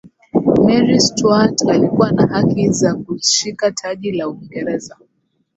mary stuart alikuwa na haki za kushika taji la uingereza